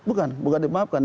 bukan bukan dimaafkan